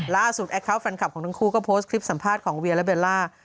แอคเคาน์แฟนคลับของทั้งคู่ก็โพสต์คลิปสัมภาษณ์ของเวียและเบลล่า